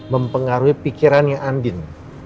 mempengaruhi pikirannya andin